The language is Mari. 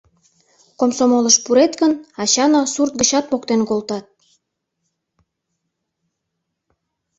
Комсомолыш пурет гын, ачана сурт гычат поктен колтат.